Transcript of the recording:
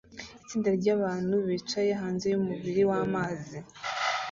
Itsinda ryabantu bicaye hanze yumubiri wamazi